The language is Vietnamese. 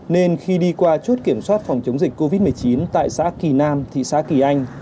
nên khi đi qua chốt kiểm soát phòng chống dịch covid một mươi chín tại xã kỳ nam thị xã kỳ anh